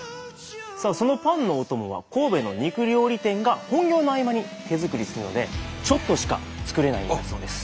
さあそのパンのお供は神戸の肉料理店が本業の合間に手作りするのでちょっとしか作れないんだそうです。